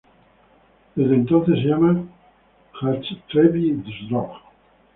Desde entonces se llama Jastrzębie-Zdrój.